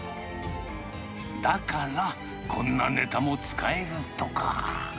だからこんなネタも使えるとか。